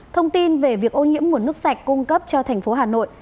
thông tin về việc ô nhiễm nguồn nước sạch cung cấp cho thành phố hà nội